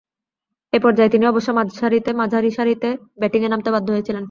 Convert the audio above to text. এ পর্যায়ে তিনি অবশ্য মাঝারিসারিতে ব্যাটিংয়ে নামতে বাধ্য হয়েছিলেন।